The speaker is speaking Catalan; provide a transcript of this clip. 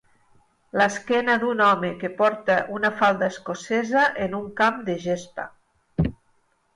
L'esquena d'un home que porta una falda escocesa en un camp de gespa.